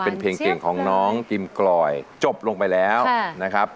เป็นเพลงเก่งของน้องกิมกลอยจบลงไปแล้วนะครับ